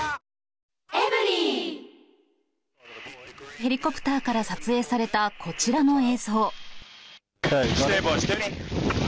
ヘリコプターから撮影されたこちらの映像。